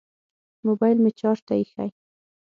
موبیل مې چارج ته ایښی